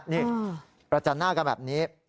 นี่ประจันหน้ากันแบบนี้